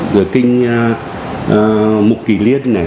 rồi kinh mục kỳ liết này